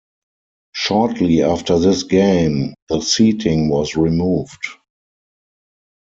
Shortly after this game, the seating was removed.